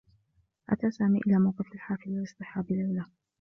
أتى سامي إلى موقف الحافلة لاصطحاب ليلى.